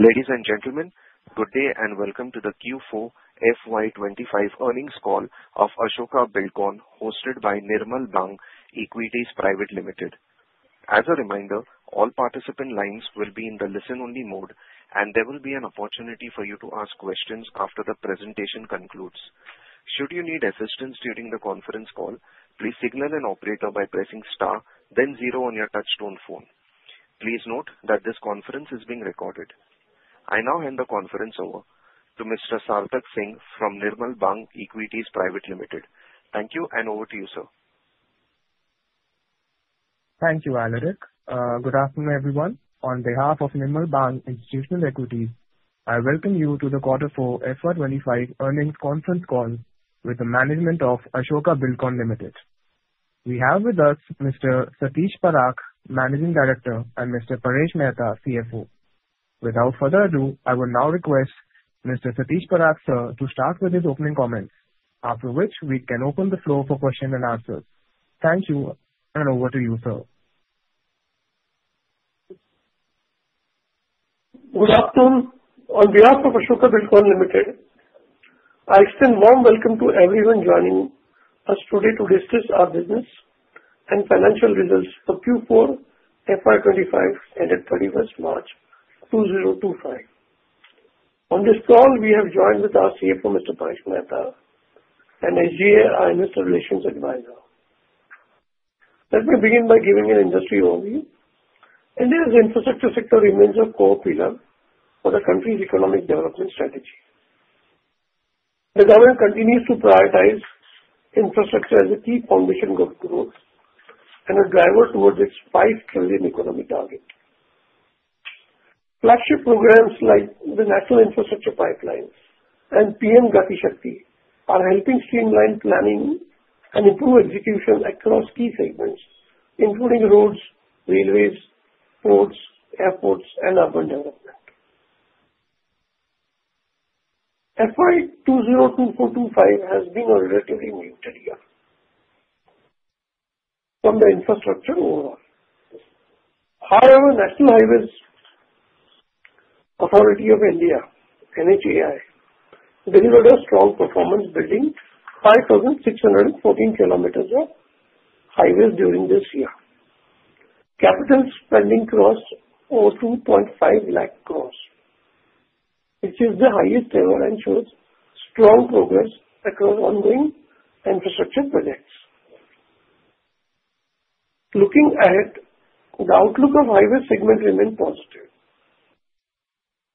Ladies and gentlemen, good day and welcome to the Q4 FY 2025 earnings call of Ashoka Buildcon hosted by Nirmal Bang Equities Private Limited. As a reminder, all participant lines will be in the listen-only mode, and there will be an opportunity for you to ask questions after the presentation concludes. Should you need assistance during the conference call, please signal an operator by pressing star, then zero on your touch-tone phone. Please note that this conference is being recorded. I now hand the conference over to Mr. Sarthak Singh from Nirmal Bang Equities Private Limited. Thank you, and over to you, sir. Thank you, Alaric. Good afternoon, everyone. On behalf of Nirmal Bang Institutional Equities, I welcome you to the Q4 FY 2025 earnings conference call with the management of Ashoka Buildcon Limited. We have with us Mr. Satish Parakh, Managing Director, and Mr. Paresh Mehta, CFO. Without further ado, I will now request Mr. Satish Parakh, sir, to start with his opening comments, after which we can open the floor for questions and answers. Thank you, and over to you, sir. Good afternoon. On behalf of Ashoka Buildcon Limited, I extend warm welcome to everyone joining us today to discuss our business and financial results for Q4 FY 2025 ended 31st March 2025. On this call, we have joined with our CFO, Mr. Paresh Mehta, and SGA Investor Relations Advisor. Let me begin by giving an industry overview. India's infrastructure sector remains a core pillar for the country's economic development strategy. The government continues to prioritize infrastructure as a key foundation goal and a driver towards its five trillion economy target. Flagship programs like the National Infrastructure Pipeline and PM Gati Shakti are helping streamline planning and improve execution across key segments, including roads, railways, ports, airports, and urban development. FY 2024-25 has been a relatively new year from the infrastructure overall. However, National Highways Authority of India, NHAI, delivered a strong performance, building 5,614 kilometers of highways during this year. Capital spending crossed over 2.5 lakh crores, which is the highest ever, and shows strong progress across ongoing infrastructure projects. Looking ahead, the outlook of highway segments remains positive.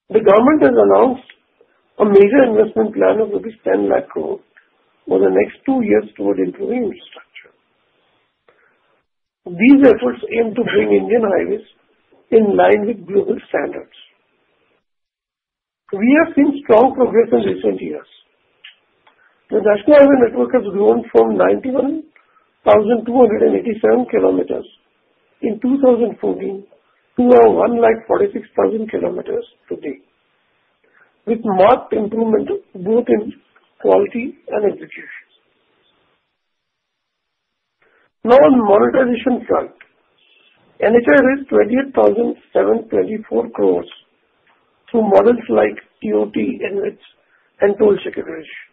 The government has announced a major investment plan of at least rupees 10 lakh crores for the next two years towards improving infrastructure. These efforts aim to bring Indian highways in line with global standards. We have seen strong progress in recent years. The national highway network has grown from 91,287 kilometers in 2014 to now 1,460,000 kilometers today, with marked improvement both in quality and execution. Now, on the monetization front, NHAI raised 28,724 crores through models like TOT, InvIT, and Toll Securitization.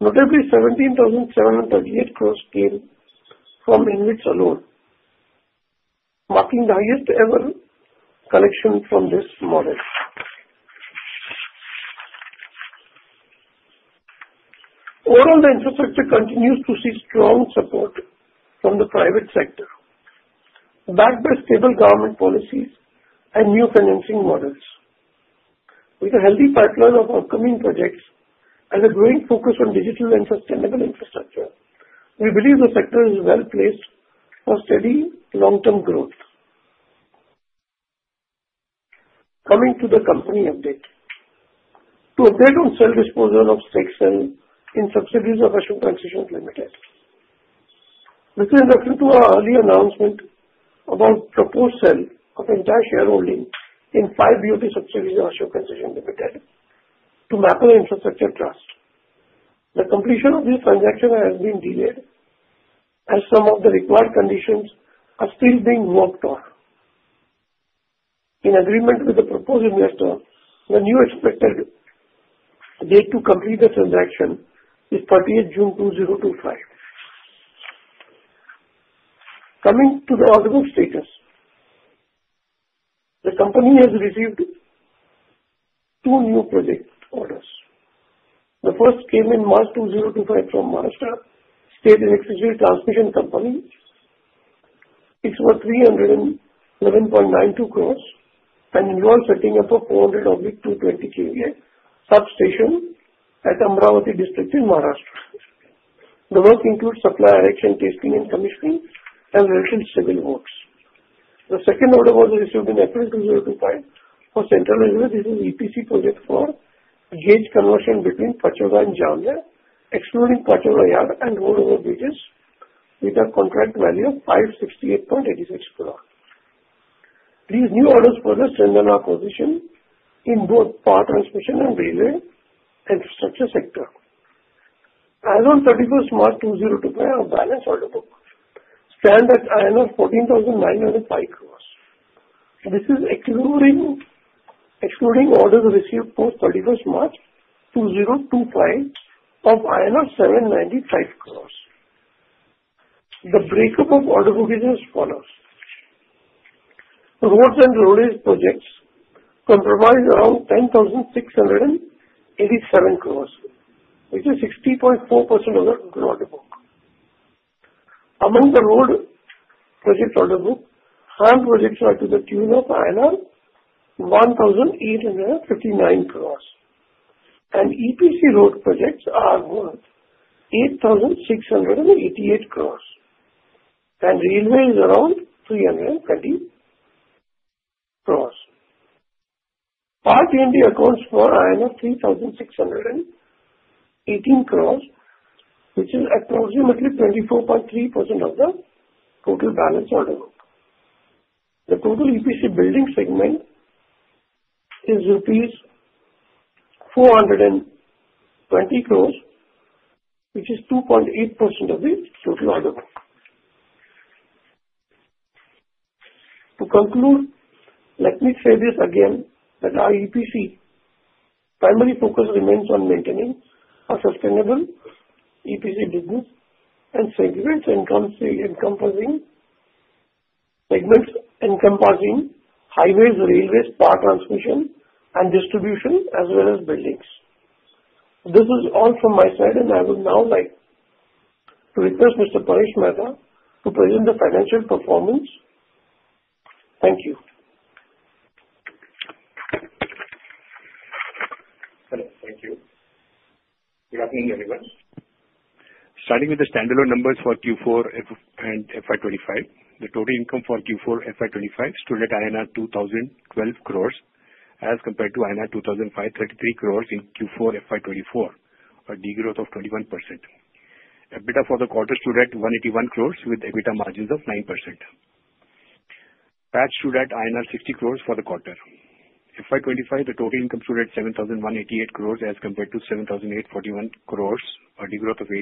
Notably, 17,738 crores came from InvIT alone, marking the highest-ever collection from this model. Overall, the infrastructure continues to see strong support from the private sector, backed by stable government policies and new financing models. With a healthy pipeline of upcoming projects and a growing focus on digital and sustainable infrastructure, we believe the sector is well placed for steady long-term growth. Coming to the company update, to update on sale disposal of stake sale in subsidiaries of Ashoka Concessions Limited. This is in reference to our earlier announcement about proposed sale of entire shareholding in five BOT subsidiaries of Ashoka Concessions Limited to Maple Infrastructure Trust. The completion of this transaction has been delayed as some of the required conditions are still being worked on. In agreement with the proposed investor, the new expected date to complete the transaction is 30th June 2025. Coming to the order book status, the company has received two new project orders. The first came in March 2025 from Maharashtra State Electricity Transmission Company Limited. It's worth 311.92 crores and involves setting up a 400/220 kV substation at Amravati district in Maharashtra. The work includes supply erection, testing, and commissioning, and related civil works. The second order was received in April 2025 for Central Railway. This is an EPC project for gauge conversion between Pachora and Jamner, excluding Pachora yard and road over bridges, with a contract value of 568.86 crores. These new orders further strengthen our position in both power transmission and railway infrastructure sector. As of 31st March 2025, our balance order book stands at INR 14,905 crores. This is excluding orders received post-31st March 2025 of INR 795 crores. The breakup of order book is as follows: roads and roadway projects comprise around 10,687 crores, which is 60.4% of the order book. Among the road project order book, HAM projects are to the tune of 1,859 crores, and EPC road projects are worth 8,688 crores, and railway is around 320 crores. Power T&D accounts for 3,618 crores, which is approximately 24.3% of the total balance order book. The total EPC building segment is rupees 420 crores, which is 2.8% of the total order book. To conclude, let me say this again, that our EPC primary focus remains on maintaining a sustainable EPC business and segments encompassing highways, railways, power transmission, and distribution, as well as buildings. This is all from my side, and I would now like to request Mr. Paresh Mehta to present the financial performance. Thank you. Hello. Thank you. Good afternoon, everyone. Starting with the standalone numbers for Q4 and FY 2025, the total income for Q4 FY 2025 stood at INR 2,012 crores as compared to INR 2,533 crores in Q4 FY24, a degrowth of 21%. EBITDA for the quarter stood at 181 crores, with EBITDA margins of 9%. PAT stood at INR 60 crores for the quarter. FY 2025, the total income stood at 7,188 crores as compared to 7,841 crores, a degrowth of 8%.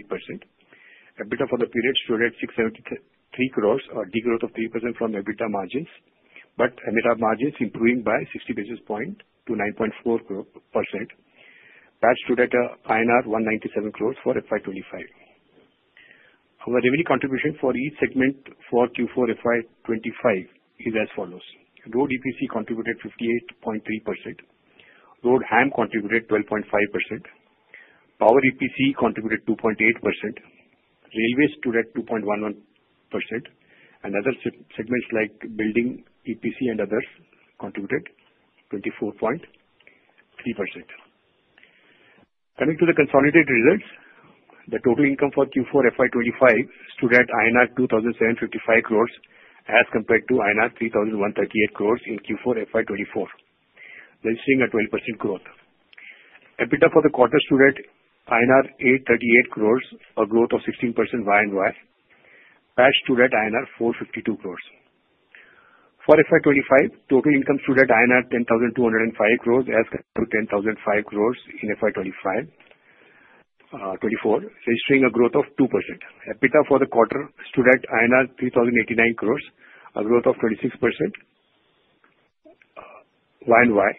EBITDA for the period stood at 673 crores, a degrowth of 3% from EBITDA margins, but EBITDA margins improving by 60 basis points to 9.4%. PAT stood at INR 197 crores for FY 2025. Our revenue contribution for each segment for Q4 FY 2025 is as follows: Road EPC contributed 58.3%, Road HAM contributed 12.5%, Power EPC contributed 2.8%, Railways stood at 2.11%, and other segments like Building EPC and others contributed 24.3%. Coming to the consolidated results, the total income for Q4 FY 2025 stood at INR 2,755 crores as compared to INR 3,138 crores in Q4 FY24, registering a 12% growth. EBITDA for the quarter stood at INR 838 crores, a growth of 16% YoY. PAT stood at INR 452 crores. For FY 2025, total income stood at INR 10,205 crores as compared to 10,005 crores in FY24, registering a growth of 2%. EBITDA for the quarter stood at INR 3,089 crores, a growth of 26% YoY.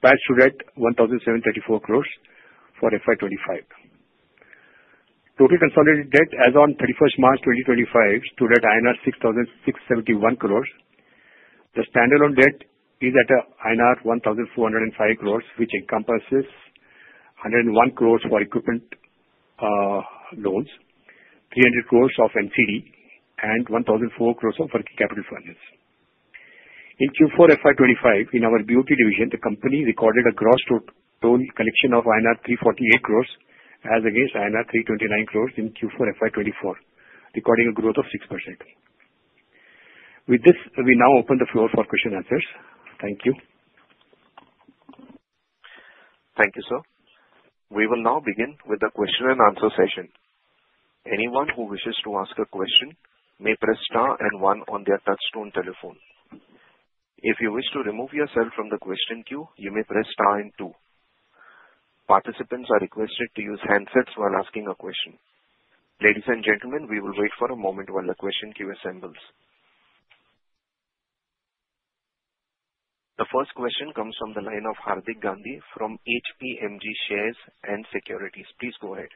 PAT stood at INR 1,734 crores for FY 2025. Total consolidated debt as of 31st March 2025 stood at INR 6,671 crores. The standalone debt is at INR 1,405 crores, which encompasses 101 crores for equipment loans, 300 crores of NCD, and 1,004 crores of working capital finance. In Q4 FY 2025, in our BOT division, the company recorded a gross total collection of INR 348 crores as against INR 329 crores in Q4 FY24, recording a growth of 6%. With this, we now open the floor for questions and answers. Thank you. Thank you, sir. We will now begin with the question and answer session. Anyone who wishes to ask a question may press star and one on their touch-tone telephone. If you wish to remove yourself from the question queue, you may press star and two. Participants are requested to use handsets while asking a question. Ladies and gentlemen, we will wait for a moment while the question queue assembles. The first question comes from the line of Hardik Gandhi from HPMG Shares and Securities. Please go ahead.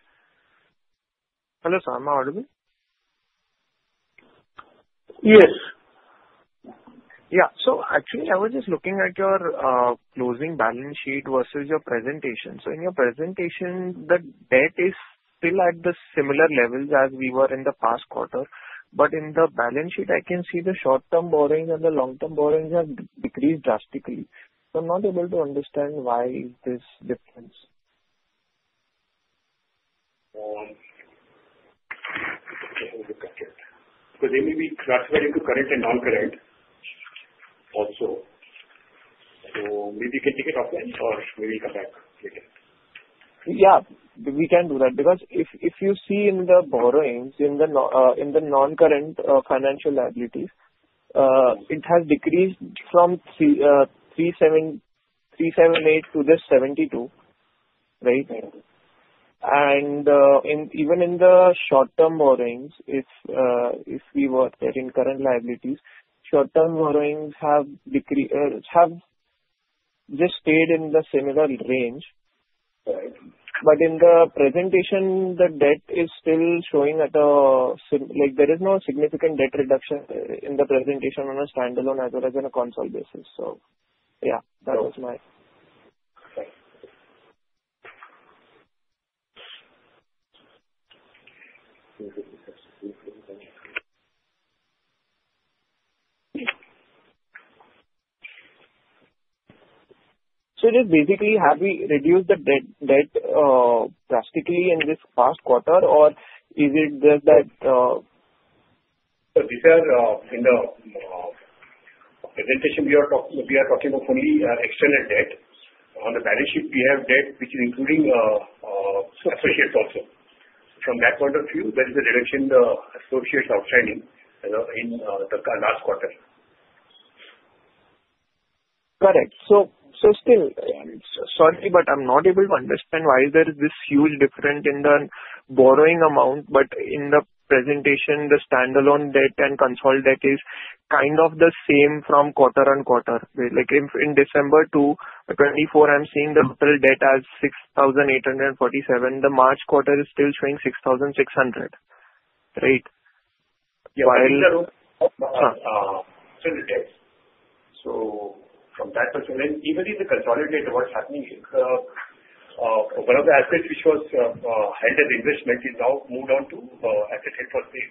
Hello, sir. Am I audible? Yes. Yeah. So actually, I was just looking at your closing balance sheet versus your presentation. So in your presentation, the debt is still at the similar levels as we were in the past quarter. But in the balance sheet, I can see the short-term borrowings and the long-term borrowings have decreased drastically. So I'm not able to understand why this difference? So they may be transferring to current and non-current also. So maybe you can take it offline, or maybe we'll come back later. Yeah, we can do that. Because if you see in the borrowings, in the non-current financial liabilities, it has decreased from 378 to this 72, right? And even in the short-term borrowings in current liabilities, short-term borrowings have just stayed in the similar range. But in the presentation, the debt is still showing at a, there is no significant debt reduction in the presentation on a standalone as well as on a consolidated basis. So yeah, that was my. So did basically have we reduced the debt drastically in this past quarter, or is it just that? This is in the presentation we are talking of only external debt. On the balance sheet, we have debt which is including associates also. From that point of view, there is a reduction in the associates outstanding in the last quarter. Got it. So still, sorry, but I'm not able to understand why there is this huge difference in the borrowing amount. But in the presentation, the standalone debt and consolidated debt is kind of the same from quarter on quarter. In December 2024, I'm seeing the total debt as 6,847. The March quarter is still showing 6,600, right? Yeah. I think so from that perspective, and even in the consolidated, what's happening is one of the assets which was held as investment is now moved on to assets held to maturity.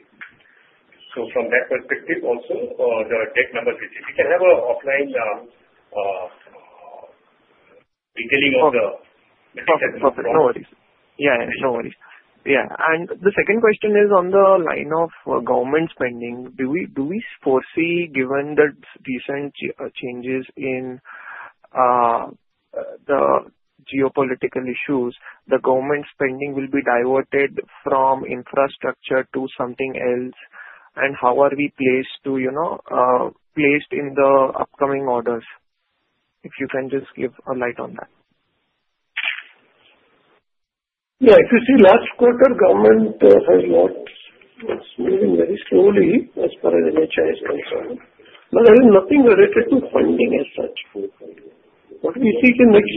So from that perspective also, the debt numbers—we can have an offline detailing of the. No worries. Yeah, no worries. Yeah. And the second question is on the line of government spending. Do we foresee, given the recent changes in the geopolitical issues, the government spending will be diverted from infrastructure to something else? And how are we placed in the upcoming orders? If you can just give a light on that. Yeah. If you see, last quarter, government has worked moving very slowly as far as NHAI is concerned. But there is nothing related to funding as such. What we see in the next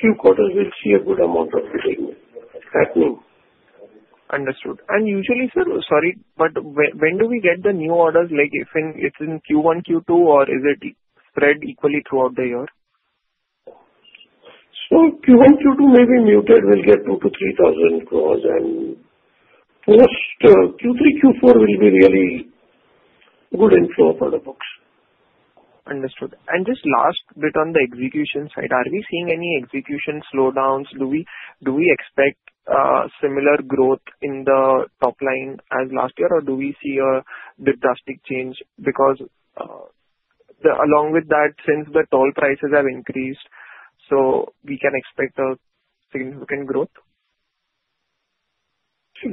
few quarters, we'll see a good amount of detailing happening. Understood. And usually, sir, sorry, but when do we get the new orders? It's in Q1, Q2, or is it spread equally throughout the year? So Q1, Q2 may be muted. We'll get INR 2,000-3,000 crores. And post-Q3, Q4 will be really good inflow for the books. Understood. And just last bit on the execution side, are we seeing any execution slowdowns? Do we expect similar growth in the top line as last year, or do we see a drastic change? Because along with that, since the toll prices have increased, so we can expect a significant growth?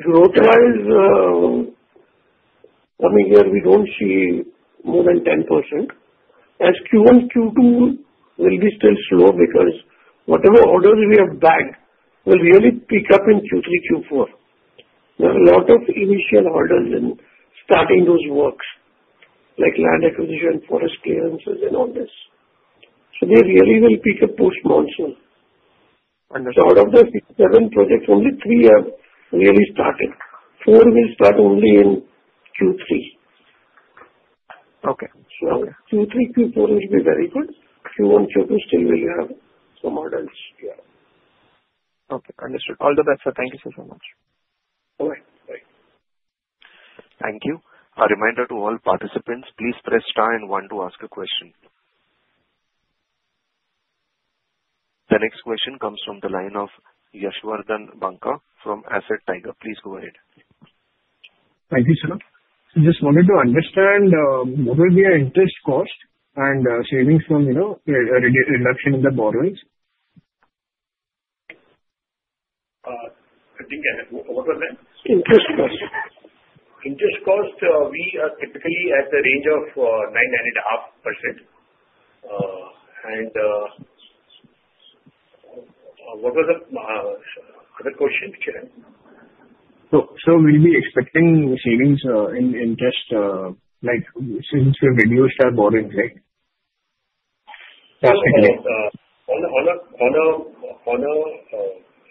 Growth-wise, coming here, we don't see more than 10%. As Q1, Q2 will be still slow because whatever orders we have back will really pick up in Q3, Q4. There are a lot of initial orders and starting those works, like land acquisition, forest clearances, and all this. So they really will pick up post-monsoon. So out of the seven projects, only three have really started. Four will start only in Q3. So Q3, Q4 will be very good. Q1, Q2 still will have some orders. Okay. Understood. All the best, sir. Thank you so much. Bye-bye. Bye. Thank you. A reminder to all participants, please press star and one to ask a question. The next question comes from the line of Yashovardhan Banka from Tiger Assets. Please go ahead. Thank you, sir. I just wanted to understand what will be your interest cost and savings from reduction in the borrowings? I think I had - what was that? Interest cost. Interest cost, we are typically at the range of 9%-9.5%. And what was the other question? So will we be expecting savings in interest since we reduced our borrowing rate? On the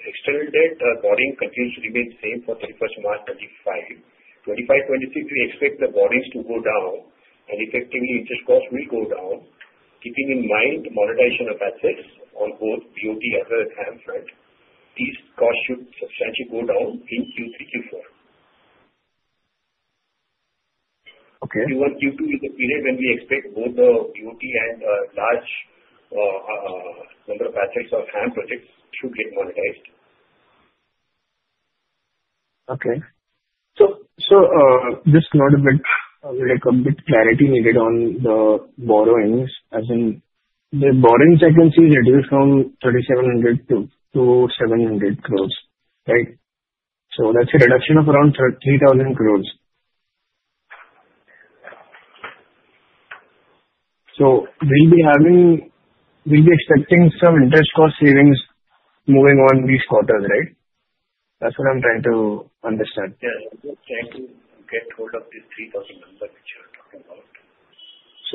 external debt, borrowing continues to remain the same for 31st March 2025, 2025, 2026, we expect the borrowings to go down, and effectively, interest cost will go down. Keeping in mind the monetization of assets on both BOT as well as HAM front, these costs should substantially go down in Q3, Q4. Q1, Q2 is the period when we expect both the BOT and large number of assets of HAM projects should get monetized. Okay. So just a bit of clarity needed on the borrowings. As in, the borrowings I can see reduced from 3,700-700 crores, right? So that's a reduction of around 3,000 crores. So will we be expecting some interest cost savings moving on these quarters, right? That's what I'm trying to understand. Yeah. I'm trying to get hold of this 3,000 number which you're talking about.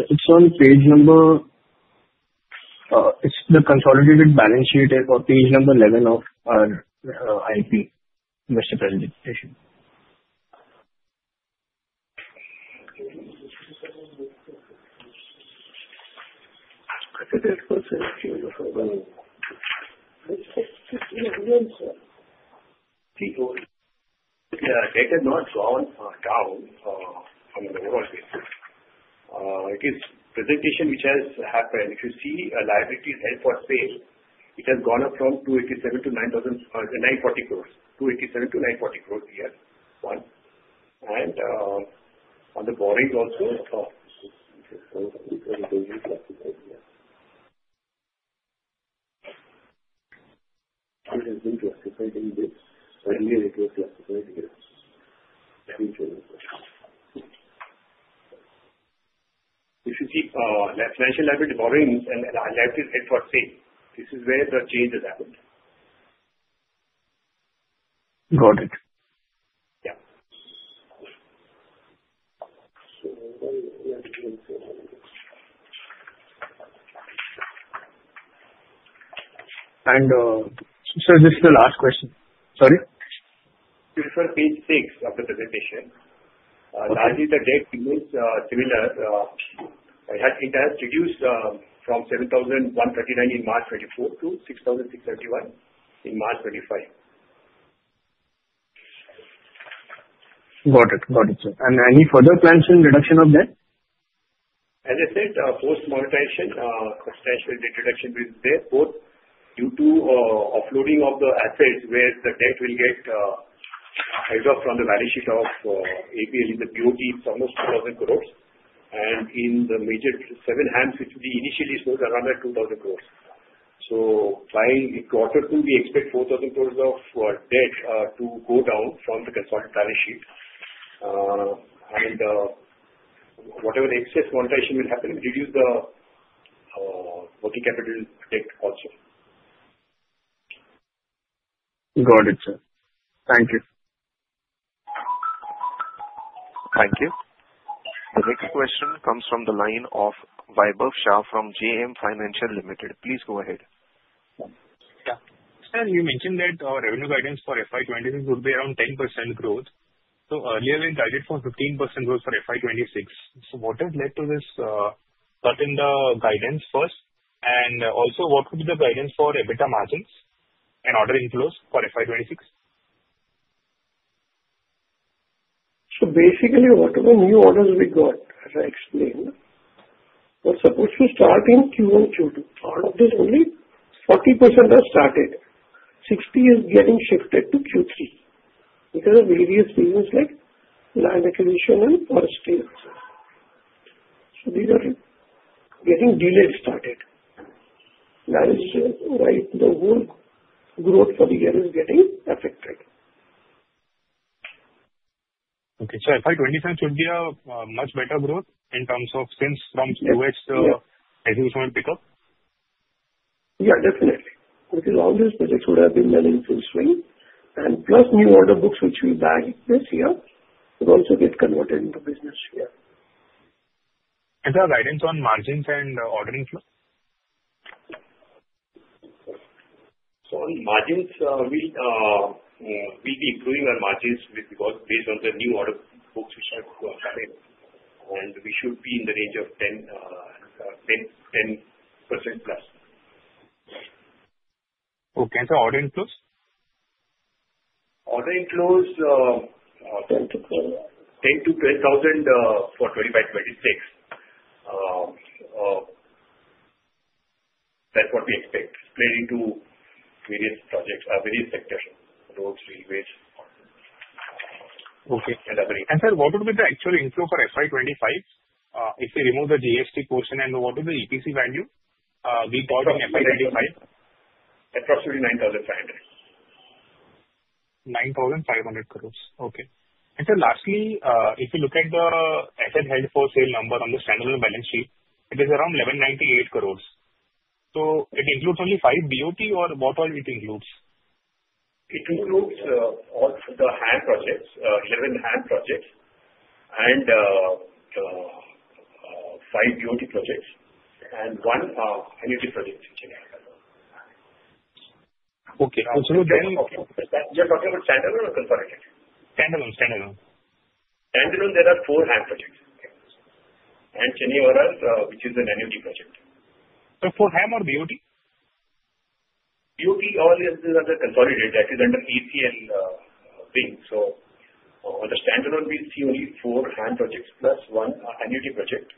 It's on page number, it's the consolidated balance sheet for page number 11 of our IP, Presentation. Yeah. Data has not gone down from the overall basis. It is presentation which has happened. If you see liabilities held for sale, it has gone up from 287 to 940 crores. 287 to 940 crores per year. And on the borrowings also. If you see financial liability borrowings and liabilities held for sale, this is where the change has happened. Got it. Yeah. Sir, this is the last question. Sorry? You referred page 6 of the presentation. Largely, the debt remains similar. It has reduced from 7,139 in March 2024 to 6,671 in March 2025. Got it. Got it, sir. And any further plans in reduction of debt? As I said, post-monetization, substantial debt reduction will be there both due to offloading of the assets where the debt will get held up from the balance sheet of APL in the BOT, it's almost 2,000 crores. And in the major seven HAMs, which we initially sold, around 2,000 crores. So by quarter two, we expect 4,000 crores of debt to go down from the consolidated balance sheet. And whatever excess monetization will happen, we reduce the working capital debt also. Got it, sir. Thank you. Thank you. The next question comes from the line of Vaibhav Shah from JM Financial Limited. Please go ahead. Yeah. Sir, you mentioned that our revenue guidance for FY 2026 would be around 10% growth. So earlier, we guided for 15% growth for FY 2026. So what has led to this cut in the guidance first? And also, what would be the guidance for EBITDA margins and order inflows for FY 2026? So basically, whatever new orders we got, as I explained, were supposed to start in Q1, Q2. Out of this, only 40% have started. 60% is getting shifted to Q3 because of various reasons like land acquisition and forest clearances. So these are getting delayed started. That is why the whole growth for the year is getting affected. Okay, so FY 2027 should be a much better growth in terms of sales from QX execution pickup? Yeah, definitely. Because all these projects would have been running full swing. And plus new order books which we bagged this year would also get converted into business year. Is there a guidance on margins and order inflow? On margins, we'll be improving our margins based on the new order books which have come in. We should be in the range of 10% plus. Okay. And so order inflows? Order inflows 10,000-12,000 for 2025, 2026. That's what we expect, split into various projects, various sectors: roads, railways, and other things. Okay. And sir, what would be the actual inflow for FY 2025 if we remove the GST portion and what would be the EPC value we called in FY 2025? Approximately 9,500. 9,500 crores. Okay. And sir, lastly, if you look at the asset held for sale number on the standalone balance sheet, it is around 1,198 crores. So it includes only five BOT or what all it includes? It includes all the HAM projects, 11 HAM projects, and five BOT projects, and one annuity project. Okay. And, sir. You're talking about standalone or consolidated? Standalone, standalone. Standalone, there are four HAM projects. And any others which is an annuity project. So, four HAM or BOT? BOT, all these are the consolidated that is under ABL wing. So on the standalone, we see only four HAM projects plus one annuity project.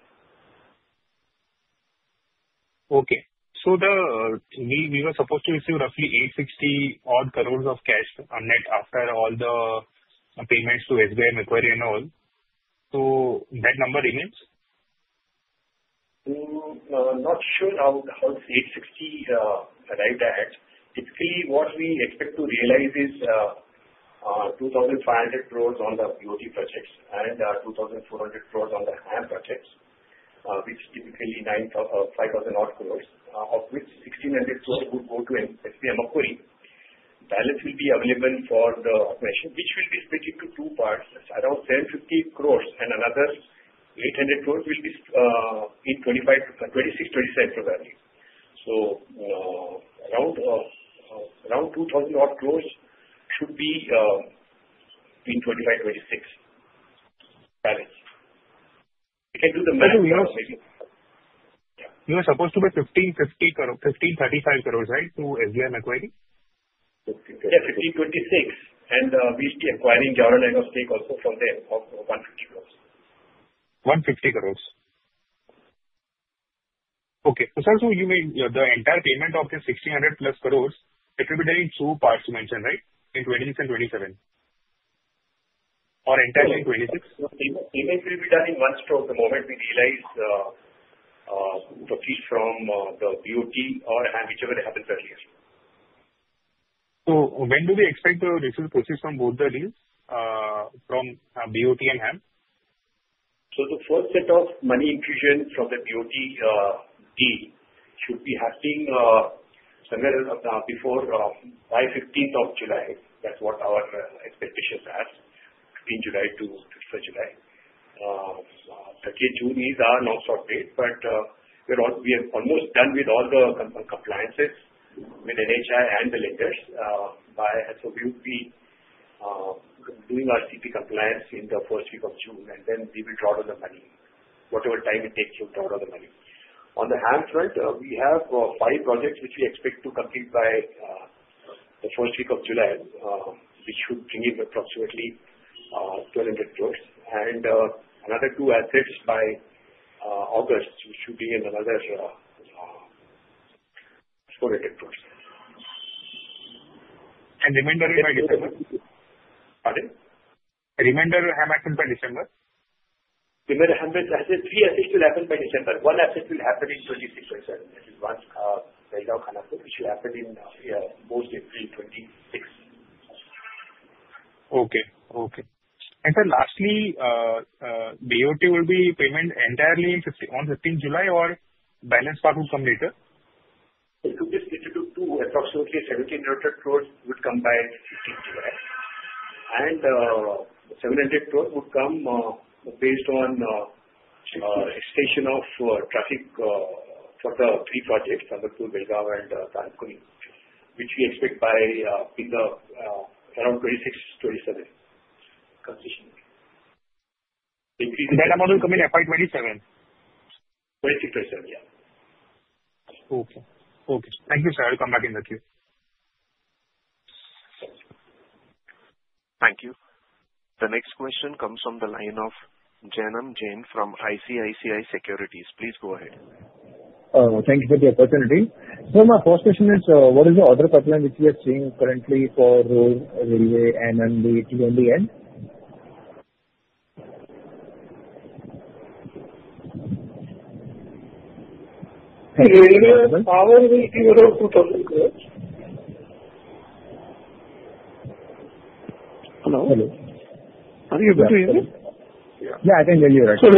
Okay. So we were supposed to receive roughly 860 odd crores of cash net after all the payments to SBI Macquarie, and all. So that number remains? Not sure how 860 crores arrived at. Typically, what we expect to realize is 2,500 crores on the BOT projects and 2,400 crores on the HAM projects, which typically 5,000-odd crores, of which 1,600 crores would go to SBI Macquarie. Balance will be available for the amortization, which will be split into two parts. Around 750 crores and another 800 crores will be in 2026, 2027 revenues. So around 2,000-odd crores should be in 2025, 2026 balance. We can do the math. You were supposed to be 1,535 crores, right, to SBI Macquarie? Yeah, 1,526. And we'll be acquiring the other line of stake also from there, of 150 crores. 150 crores. Okay. So sir, so the entire payment of the 1,600 plus crores will be done in two parts, you mentioned, right, in 2026 and 2027? Or entirely in 2026? Payment will be done in one stroke the moment we realize the fees from the BOT or HAM, whichever happens earlier. So when do we expect to receive the proceeds from both the deals from BOT and HAM? So the first set of money infusion from the BOT deal should be happening somewhere before, by 15th of July. That's what our expectations are, 15 July to 21st of July. 30th June is our NOC date, but we are almost done with all the compliances with NHAI and the lenders, so we will be doing our CP compliance in the first week of June, and then we will draw out the money. Whatever time it takes to draw out the money. On the HAM front, we have five projects which we expect to complete by the first week of July, which should bring in approximately 1,200 crores, and another two assets by August, which should bring in another 400 crores. Remainder by December? Pardon? Remainder HAM happens by December? Remaining HAM, three assets will happen by December. One asset will happen in 2026, 2027. That is one build-out kind of thing which will happen in mostly 2026. And sir, lastly, BOT will be payment entirely on 15th July or balance part will come later? It will be split into two. Approximately 1,700 crores would come by 15th July, and 700 crores would come based on extension of traffic for the three projects, Sambalpur, Belgaum, and Dankuni, which we expect by around 2026, 2027. That amount will come in FY 2027? 2026, 2027, yeah. Okay. Okay. Thank you, sir. I'll come back in the queue. Thank you. The next question comes from the line of Janam Jain from ICICI Securities. Please go ahead. Thank you for the opportunity. Sir, my first question is, what is the order pipeline which we are seeing currently for railway and EPC on the end? The railway and power will be around INR 2,000 crores. Hello? Hello. Are you able to hear me? Yeah, I can hear you right now. So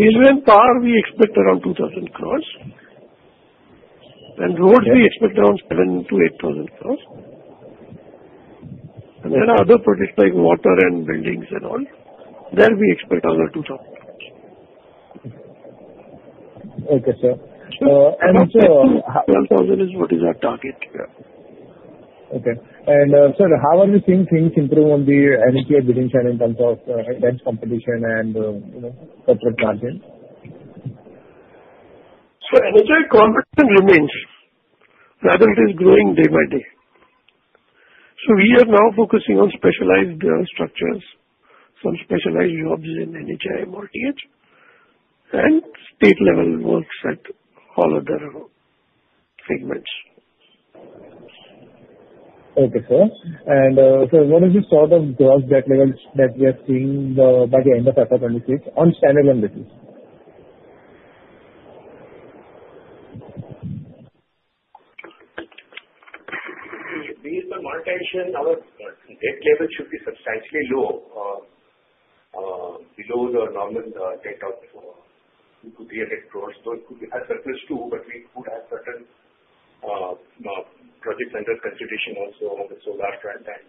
railway and power, we expect around 2,000 crores. And roads, we expect around 7,000-8,000 crores. And then other projects like water and buildings and all, there we expect around 2,000 crores. Okay, sir. And sir. 12,000 is what is our target, yeah. Okay. And sir, how are you seeing things improve on the NHAI and Bidding Channel in terms of competition and corporate margin? So NHAI competition remains. Rather, it is growing day by day. So we are now focusing on specialized structures, some specialized jobs in NHAI, MoRTH, and state-level works at all other segments. Okay, sir. And sir, what is the sort of growth that we are seeing by the end of FY 2026 on standalone lending? Based on monetization, our debt level should be substantially low, below the normal debt of 2-300 crores. Though it could be surplus too, but we would have certain projects under consideration also on the solar front. And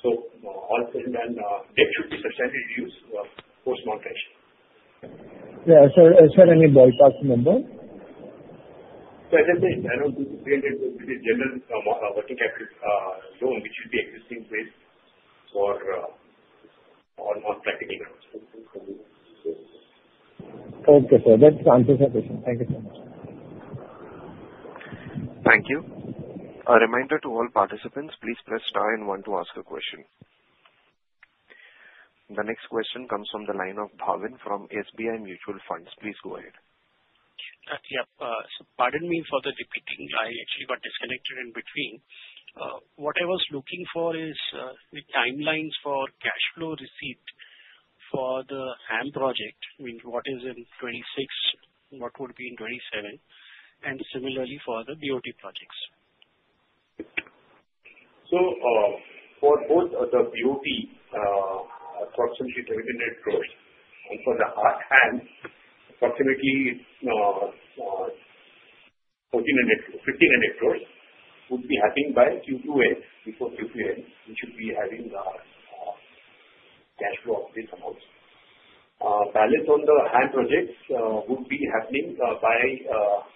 so all present debt should be substantially reduced post-monetization. Yeah. Sir, is there any ballpark number? As I said, I don't think 300 will be the general working capital loan, which will be existing based for all non-practical grounds. Okay, sir. That answers my question. Thank you so much. Thank you. A reminder to all participants, please press star and one to ask a question. The next question comes from the line of Bhavin from SBI Mutual Fund. Please go ahead. Yeah. Pardon me for the repeating. I actually got disconnected in between. What I was looking for is the timelines for cash flow receipt for the HAM project, which, what is in 2026, what would be in 2027, and similarly for the BOT projects. So, for both the BOT, approximately 1,700 crores. And for the HAM, approximately INR 1,500 crores would be happening by Q2N, before Q3N, which would be having cash flow of this amount. Balance on the HAM projects would be happening by Q4, between Q3 and Q4, except for one project that's approximately more than 50 crores on the last project. And in 2026, 2027, we'll have the balance payment of the BOT project for INR 1,050 crores. Okay.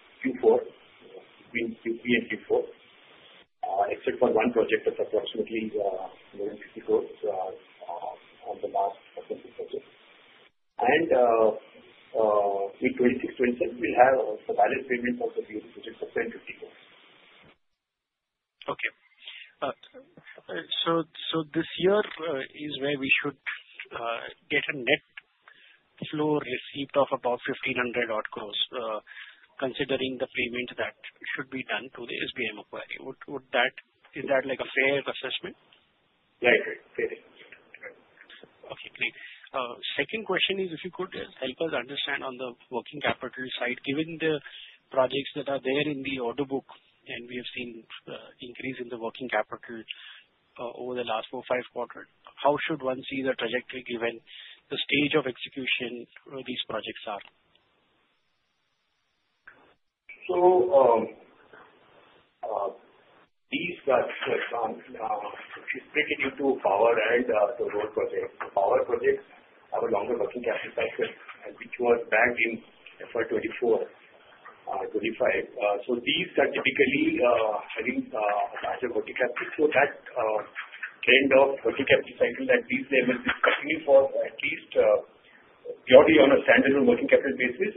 So this year is where we should get a net flow receipt of about 1,500 odd crores, considering the payment that should be done to the SBI Macquarie. Is that a fair assessment? Yeah, it's fair. Okay. Great. Second question is, if you could help us understand on the working capital side, given the projects that are there in the order book, and we have seen increase in the working capital over the last four, five quarters, how should one see the trajectory given the stage of execution these projects are? So these are split into power and the road project. Power projects have a longer working capital cycle, and which was back in FY 2024, 2025. So these are typically having a larger working capital. So that trend of working capital cycle at these levels will continue for at least purely on a standalone working capital basis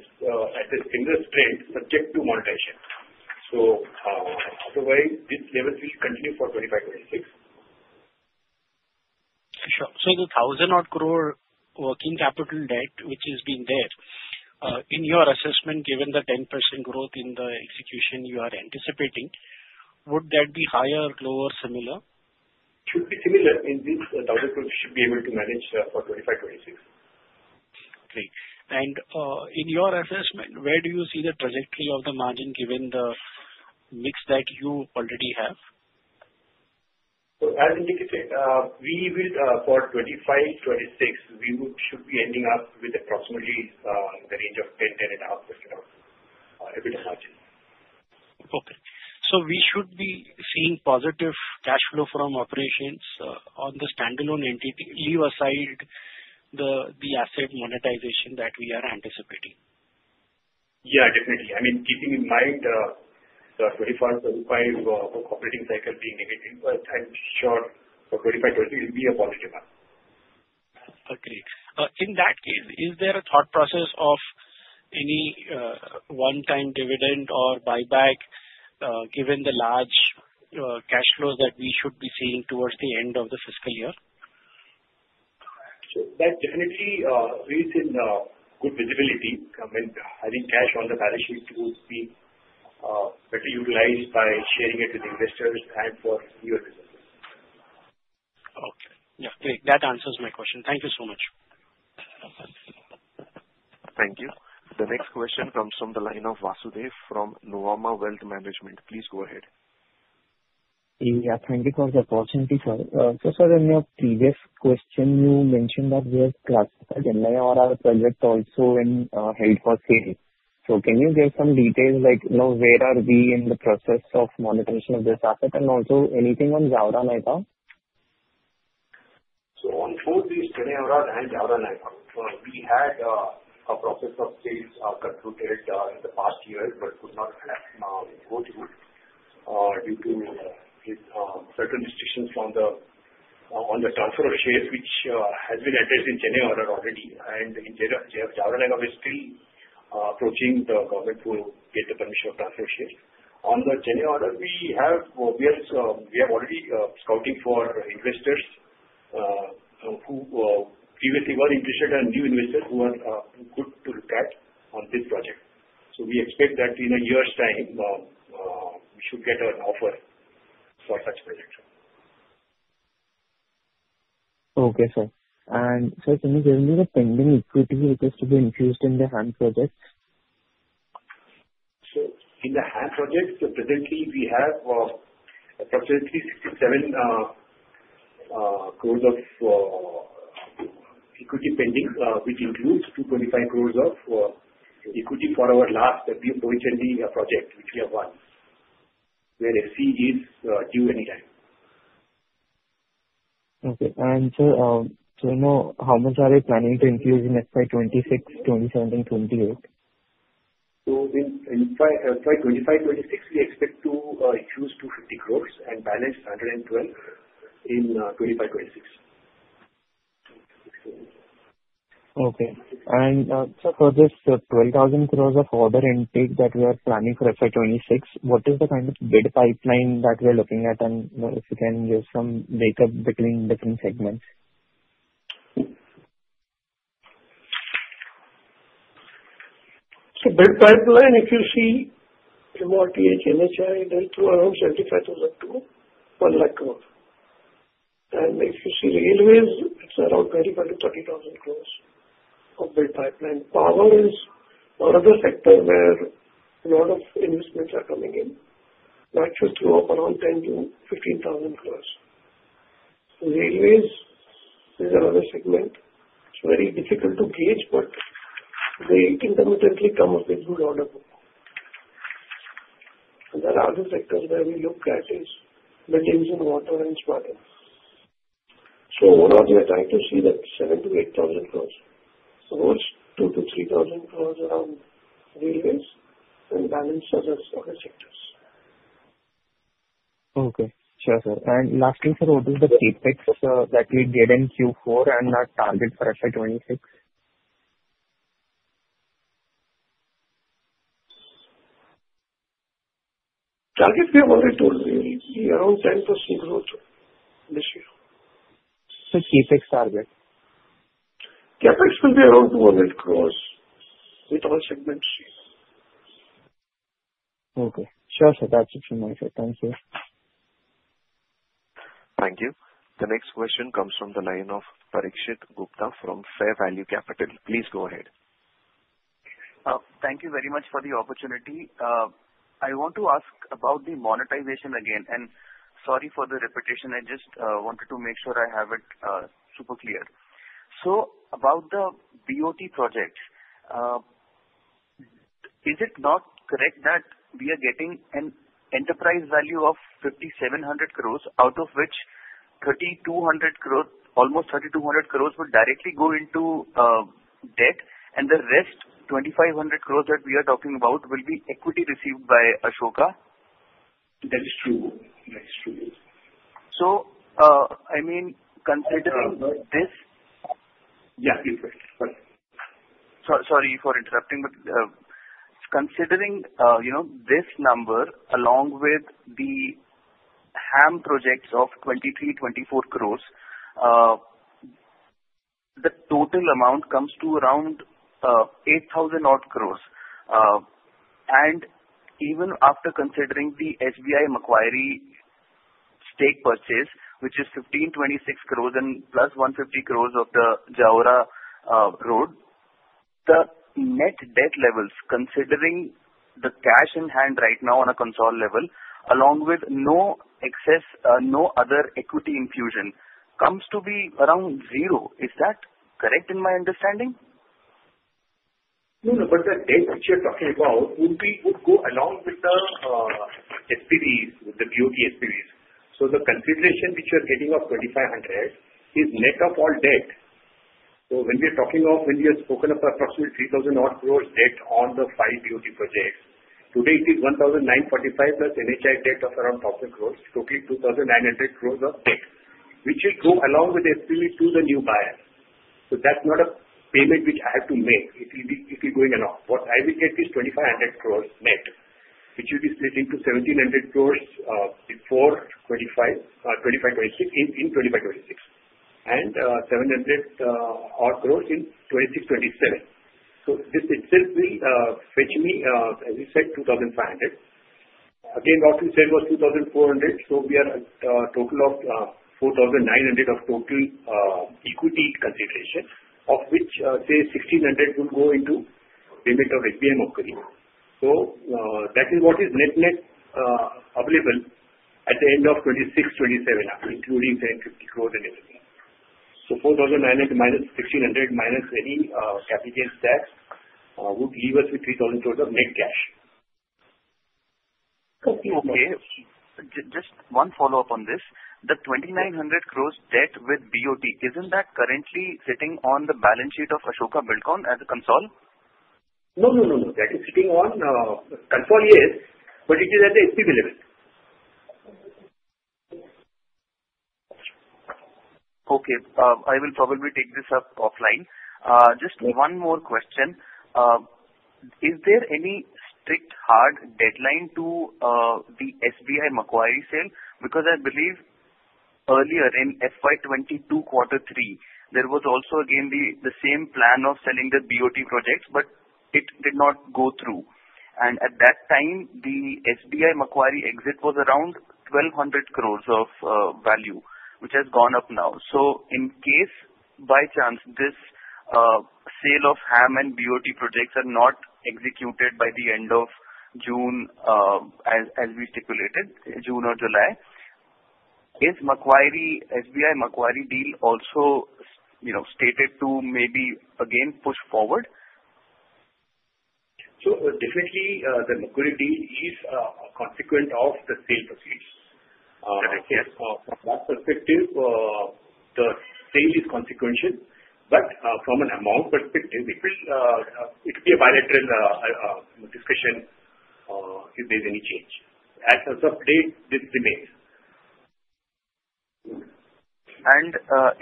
at the similar strength, subject to monetization. So otherwise, these levels will continue for 2025, 2026. Sure. So the 1,000 odd crore working capital debt, which is being there, in your assessment, given the 10% growth in the execution you are anticipating, would that be higher, lower, similar? Should be similar. Indeed, 1,000 crores should be able to manage for 2025, 2026. Great, and in your assessment, where do you see the trajectory of the margin given the mix that you already have? As indicated, for 2025, 2026, we should be ending up with approximately in the range of 10-10.5-15-odd crore EBITDA margin. Okay. So we should be seeing positive cash flow from operations on the standalone entity, leave aside the asset monetization that we are anticipating? Yeah, definitely. I mean, keeping in mind the 2025, 2026 operating cycle being negative, but I'm sure for 2025, 2026, it will be a positive one. Great. In that case, is there a thought process of any one-time dividend or buyback given the large cash flows that we should be seeing towards the end of the fiscal year? So that definitely raises good visibility. I mean, having cash on the balance sheet would be better utilized by sharing it with investors and for newer businesses. Okay. Yeah. Great. That answers my question. Thank you so much. Thank you. The next question comes from the line of Vasudev from Nuvama Wealth Management. Please go ahead. Yeah. Thank you for the opportunity, sir. Just as in your previous question, you mentioned that we have classified NIIF projects also in held for sale. So can you give some details like where are we in the process of monetization of this asset? And also anything on Jaora SPV? So on both these NIIF and Jaora SPV, we had a process of sales calculated in the past year but could not go through due to certain restrictions on the transfer of shares, which has been addressed in January already. And in Jaora SPV, we're still approaching the government to get the permission of transfer of shares. On the NIIF, we have already scouting for investors who previously were interested and new investors who are good to look at on this project. So we expect that in a year's time, we should get an offer for such projects. Okay, sir. And sir, can you give me the pending equity which is to be infused in the HAM projects? In the HAM projects, presently, we have approximately 67 crores of equity pending, which includes 225 crores of equity for our last BHNB project, which we have won, where FC is due anytime. Okay. And sir, do you know how much are they planning to infuse in FY 2026, 2027, and 2028? So in FY 2025, 2026, we expect to infuse 250 crores and balance 112 in 2025, 2026. Okay, and sir, for this 12,000 crores of order intake that we are planning for FY 2026, what is the kind of bid pipeline that we are looking at? And if you can give some breakup between different segments. So bid pipeline, if you see MoRTH, NHAI, and states, around 75,000 crores, 1 lakh crores. And if you see railways, it's around 25,000-30,000 crores of bid pipeline. Power is another sector where a lot of investments are coming in. Natural flow of around INR 10,000-15,000 crores. Railways is another segment. It's very difficult to gauge, but they intermittently come up in good order book. And there are other sectors where we look at is buildings, and water, and smart homes. So overall, we are trying to see that 7,000-8,000 crores. Roads, 2,000-3,000 crores around railways and balance other sectors. Okay. Sure, sir. And lastly, sir, what is the CapEx that we did in Q4 and our target for FY 2026? Target we have already told you is around 10% growth this year. So, CapEx target? CapEx will be around 200 crores with all segments seen. Okay. Sure, sir. That's it from my side. Thank you. Thank you. The next question comes from the line of Parikshit Gupta from Fair Value Capital. Please go ahead. Thank you very much for the opportunity. I want to ask about the monetization again. And sorry for the repetition. I just wanted to make sure I have it super clear. So about the BOT projects, is it not correct that we are getting an enterprise value of 5,700 crores, out of which almost 3,200 crores would directly go into debt, and the rest 2,500 crores that we are talking about will be equity received by Ashoka? That is true. That is true. So I mean, considering this. Yeah. Sorry for interrupting, but considering this number along with the HAM projects of 23-24 crores, the total amount comes to around 8,000 odd crores. And even after considering the SBI Macquarie stake purchase, which is 1,526 crores and plus 150 crores of the Jaora SPV, the net debt levels, considering the cash in hand right now on a consolidated level, along with no excess, no other equity infusion, comes to be around zero. Is that correct in my understanding? No, no. But the debt which you're talking about would go along with the SPVs, with the BOT SPVs. So the consideration which you're getting of 2,500 is net of all debt. So when we are talking of, when we have spoken of approximately 3,000 odd crores debt on the five BOT projects, today it is 1,945 plus NHAI debt of around 1,000 crores, totaling 2,900 crores of debt, which will go along with the SPV to the new buyers. So that's not a payment which I have to make. It will be going along. What I will get is 2,500 crores net, which will be split into 1,700 crores before 2025, 2026, in 2025, 2026, and 700 odd crores in 2026, 2027. So this itself will fetch me, as you said, 2,500. Again, what we said was 2,400. So we are at a total of 4,900 of total equity consideration, of which, say, 1,600 will go into payment of SBI Macquarie. So that is what is net-net available at the end of 2026, 2027, including 750 crores and everything. 4,900 minus 1,600 minus any capital gains tax would leave us with 3,000 crores of net cash. Okay. Just one follow-up on this. The 2,900 crores debt with BOT, isn't that currently sitting on the balance sheet of Ashoka Buildcon as a consolidated? No, no, no, no. That is sitting on consolidated, yes, but it is at the SPV level. Okay. I will probably take this up offline. Just one more question. Is there any strict hard deadline to the SBI Macquarie sale? Because I believe earlier in FY22, Quarter 3, there was also again the same plan of selling the BOT projects, but it did not go through. And at that time, the SBI Macquarie exit was around 1,200 crores of value, which has gone up now. So in case by chance this sale of HAM and BOT projects are not executed by the end of June, as we stipulated, June or July, is SBI Macquarie deal also slated to maybe again push forward? So definitely, the Macquarie deal is a consequence of the sale proceeds. From that perspective, the sale is consequential. But from an amount perspective, it will be a bilateral discussion if there's any change. As of today, this remains.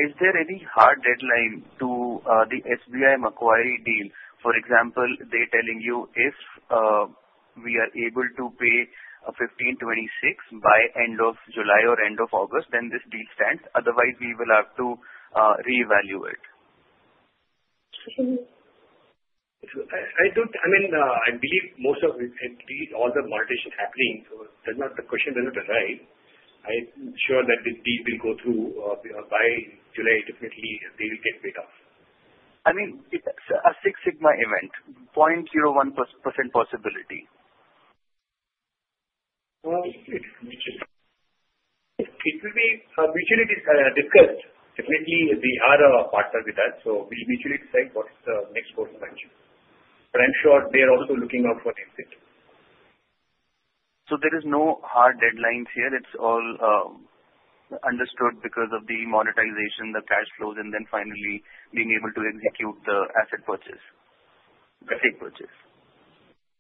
Is there any hard deadline to the SBI Macquarie deal? For example, they're telling you if we are able to pay 1,526 by end of July or end of August, then this deal stands. Otherwise, we will have to reevaluate. I mean, I believe most of it, at least all the monetization happening, the question does not arise. I'm sure that this deal will go through by July. Definitely, they will get paid off. I mean, a Six Sigma event, 0.01% possibility. It will be mutually discussed. Definitely, we are a partner with that. So we'll mutually decide what's the next course of action. But I'm sure they are also looking out for the exit. So there are no hard deadlines here. It's all understood because of the monetization, the cash flows, and then finally being able to execute the asset purchase, the stake purchase.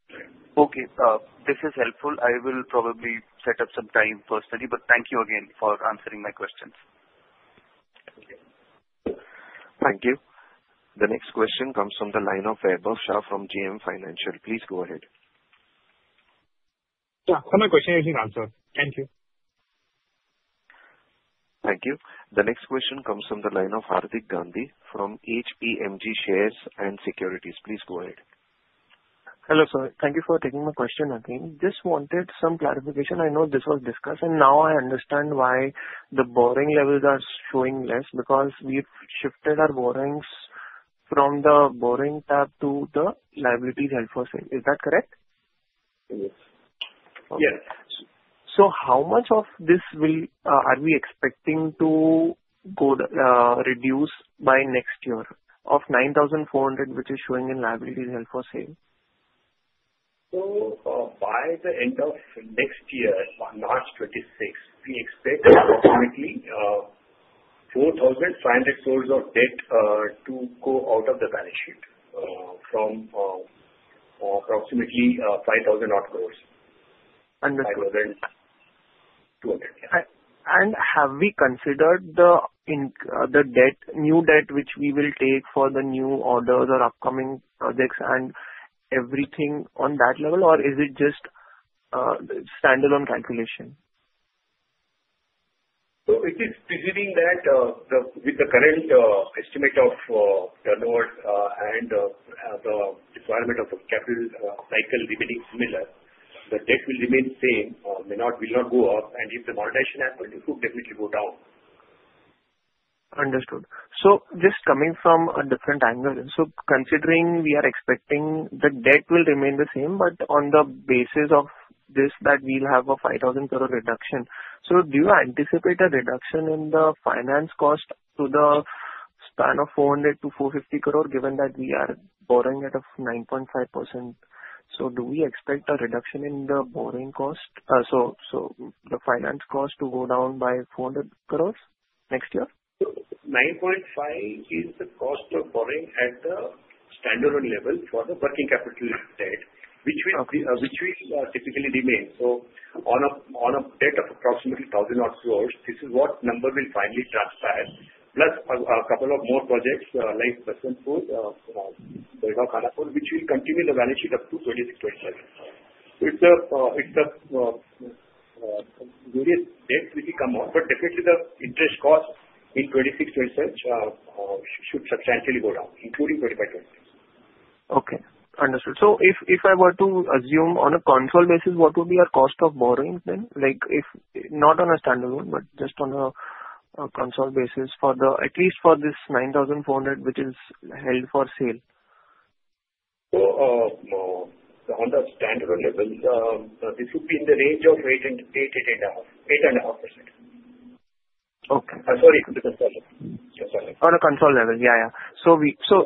Correct. Okay. This is helpful. I will probably set up some time personally. But thank you again for answering my questions. Thank you. Thank you. The next question comes from the line of Vaibhav Shah from JM Financial. Please go ahead. Yeah. Some of my questions have been answered. Thank you. Thank you. The next question comes from the line of Hardik Gandhi from HPMG Shares and Securities. Please go ahead. Hello, sir. Thank you for taking my question again. Just wanted some clarification. I know this was discussed, and now I understand why the borrowing levels are showing less because we've shifted our borrowings from the borrowing tab to the liabilities held for sale. Is that correct? Yes. Yes. So how much of this are we expecting to reduce by next year of 9,400, which is showing in liabilities held for sale? By the end of next year, March 2026, we expect approximately 4,500 crores of debt to go out of the balance sheet from approximately 5,000 odd crores. Understood. 200. Yeah. Have we considered the new debt which we will take for the new orders or upcoming projects and everything on that level, or is it just standalone calculation? So it is presuming that with the current estimate of turnovers and the requirement of the capital cycle remaining similar, the debt will remain the same, will not go up. And if the monetization happens, it would definitely go down. Understood. So just coming from a different angle, so considering we are expecting the debt will remain the same, but on the basis of this, that we'll have a 5,000 crore reduction. So do you anticipate a reduction in the finance cost to the span of 400-450 crore, given that we are borrowing at a 9.5%? So do we expect a reduction in the borrowing cost, so the finance cost, to go down by 400 crores next year? So 9.5% is the cost of borrowing at the standalone level for the working capital debt, which will typically remain. So on a debt of approximately 1,000-odd crores, this is what number will finally transpire, plus a couple of more projects like Jaora, Belgaum-Khanapur, which will continue the balance sheet up to 2026, 2027. So it's the various debts which will come up. But definitely, the interest cost in 2026, 2027 should substantially go down, including 2025, 2026. Okay. Understood. So if I were to assume on a consolidated basis, what would be our cost of borrowing then? Not on a standalone, but just on a consolidated basis, at least for this 9,400 which is held for sale? On the standalone level, this would be in the range of 8%-8.5%. Okay. Sorry. On a consolidated level. Yeah, yeah. So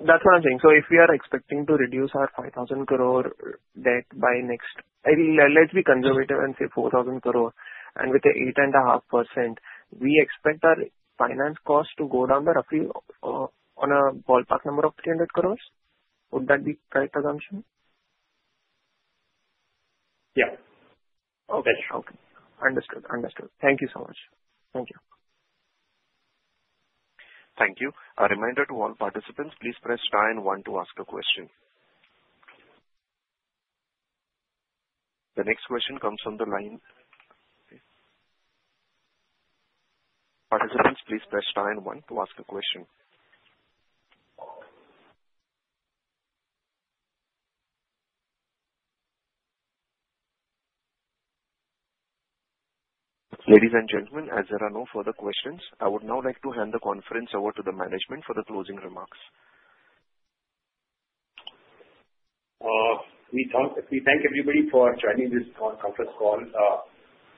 that's what I'm saying. So if we are expecting to reduce our 5,000 crore debt by next, let's be conservative and say 4,000 crore, and with the 8.5%, we expect our finance cost to go down by roughly on a ballpark number of 300 crores? Would that be the correct assumption? Yeah. That's true. Okay. Understood. Understood. Thank you so much. Thank you. Thank you. A reminder to all participants, please press star and one to ask a question. The next question comes from the line of participants, please press star and one to ask a question. Ladies and gentlemen, as there are no further questions, I would now like to hand the conference over to the management for the closing remarks. We thank everybody for joining this conference call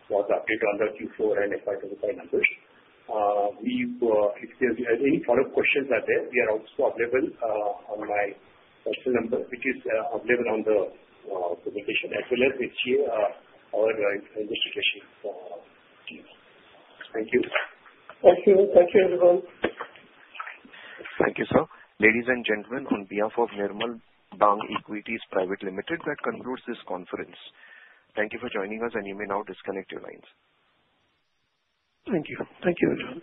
for the update on the Q4 and FY 2025 numbers. If there are any follow-up questions out there, we are also available on my personal number, which is available on the presentation, as well as our investor relations team. Thank you. Thank you. Thank you, everyone. Thank you, sir. Ladies and gentlemen, on behalf of Nirmal Bang Equities Private Limited, that concludes this conference. Thank you for joining us, and you may now disconnect your lines. Thank you. Thank you.